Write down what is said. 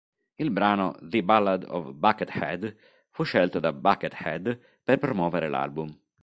Il brano "The Ballad of Buckethead" fu scelto da Buckethead per promuovere l'album.